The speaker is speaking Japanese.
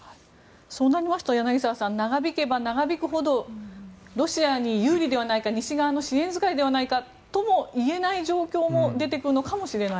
そうなりますと長引けば長引くほどロシアにとって有利じゃないか西側の支援疲れじゃないかと言えない状況も出てくるのかもしれないと。